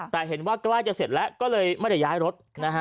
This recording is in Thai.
แต่เห็นว่าใกล้จะเสร็จแล้วก็เลยไม่ได้ย้ายรถนะฮะ